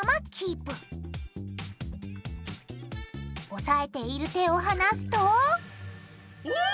おさえている手をはなすとうわ！